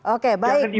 oke baik bang juniper